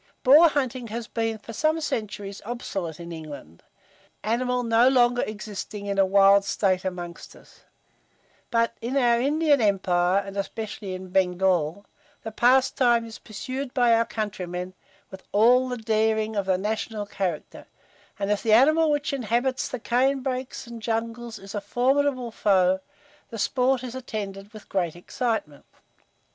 Boar hunting has been for some centuries obsolete in England, the animal no longer existing in a wild state among us; but in our Indian empire, and especially in Bengal, the pastime is pursued by our countrymen with all the daring of the national character; and as the animal which inhabits the cane brakes and jungles is a formidable foe, the sport is attended with great excitement.